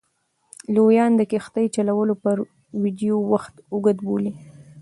لویان د کښتۍ چلولو پر ویډیو وخت اوږد بولي.